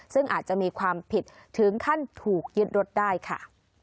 ซึ่งอาจจะมีความผิดถึงขั้นถูกยึดรถได้ค่ะ